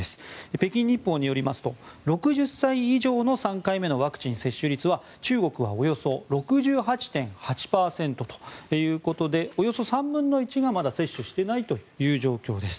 北京日報によりますと６０歳以上のワクチン３回目の接種率は中国はおよそ６８．８％ということでおよそ３分の１がまだ接種していない状況です。